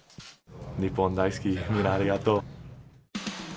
日本大好き、みんなありがとう。